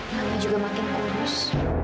mama juga makin kurus